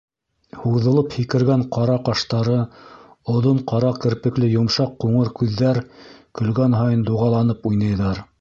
Һуҙылып һикергән ҡара ҡаштары, оҙон ҡара керпекле йомшаҡ ҡуңыр күҙҙәр көлгән һайын дуғаланып уйнайҙар.